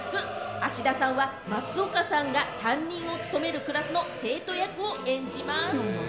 芦田さんは松岡さんが担任を務めるクラスの生徒役を演じます。